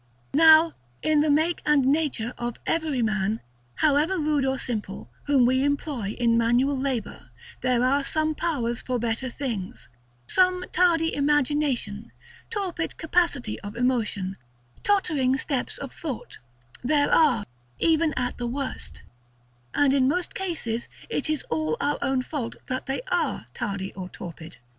Now, in the make and nature of every man, however rude or simple, whom we employ in manual labor, there are some powers for better things: some tardy imagination, torpid capacity of emotion, tottering steps of thought, there are, even at the worst; and in most cases it is all our own fault that they are tardy or torpid.